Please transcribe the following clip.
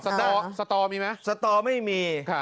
สตรอซ์มีไหมสตรอซ์ไม่มี